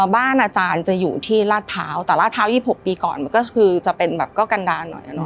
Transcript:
บ้านอาจารย์จะอยู่ที่ราดเภาแต่ราดเภายี่สิบปีก่อนมันก็คือจะเป็นแบบก็กันดานหน่อยนะ